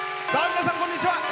皆さん、こんにちは。